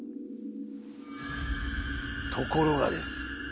ところがです。